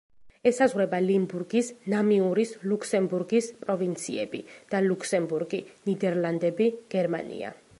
ესაზღვრება ლიმბურგის, ნამიურის, ლუქსემბურგის პროვინციები და ლუქსემბურგი, ნიდერლანდები, გერმანია.